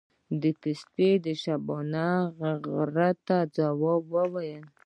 پسه د شپانه غږ ته ځواب وايي.